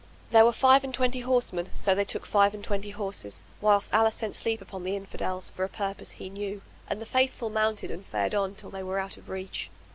There were five and twenty horsemen, so they took five and twenty horses, whilst Allah sent sleep upon the Infidels for a purpose He knew and the Faithful mounted and fared on till they were out of reach.